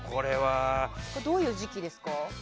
どういう時期ですか？